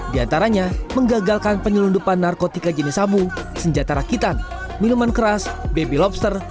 di antaranya menggagalkan penyelundupan narkotika jenis sabu senjata rakitan minuman keras baby lobster